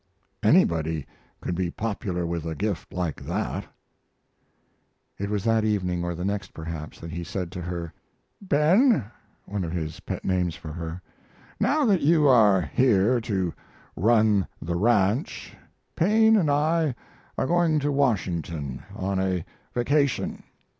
Anybody could be popular with a gift like that." It was that evening or the next, perhaps, that he said to her: "Ben [one of his pet names for her], now that you are here to run the ranch, Paine and I are going to Washington on a vacation.